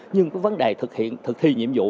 nhưng cái vấn đề thực hiện thực thi nhiệm vụ